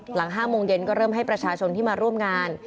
หลัง๕โมงเย็นก็เริ่มให้ประชาชนที่มาร่วมงาน